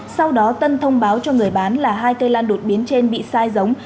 sau đó tân thông báo cho người bán là hai cây lan đột biến trên bị sai giống